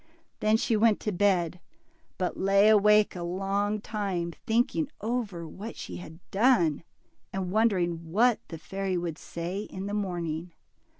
Then she went to bed, but lay awake a long time, thinking DIMPLE. 49 over what she had done, and wondering what the fairy would say in the morning.